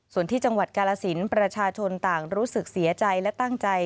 ส่วนที่จังหวัดกาลสินประชาชนต่างรู้สึกเสียใจและตั้งใจ